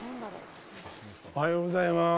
おはようございます。